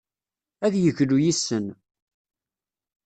Ad yeglu yis-sen.